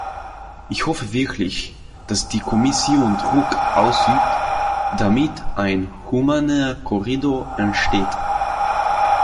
Ich hoffe wirklich, dass die Kommission Druck ausübt, damit ein humaner Korridor entsteht.